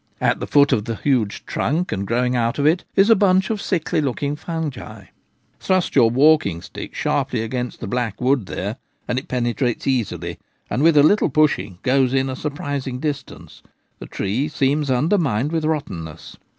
At the foot of the huge trunk, and growing out of it, is a bunch of sickly looking fungi. Thrust A Gap in the Avenue. 57 your walking stick sharply against the black wood there and it penetrates easily, and with a little push ing goes in a surprising distance ; the tree seems undermined with rottenness.